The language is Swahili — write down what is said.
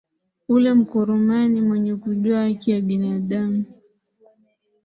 ule mkurumani mwenye kujua haki ya binadam